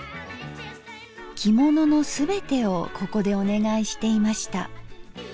着物の全てをここでお願いしていました。